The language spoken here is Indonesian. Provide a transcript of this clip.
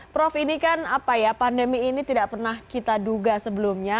prof ini kan apa ya pandemi ini tidak pernah kita duga sebelumnya